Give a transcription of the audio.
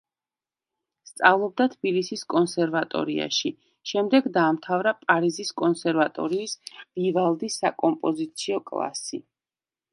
სწავლობდა თბილისის კონსერვატორიაში, შემდეგ დაამთავრა პარიზის კონსერვატორიის ვივალდის საკომპოზიციო კლასი.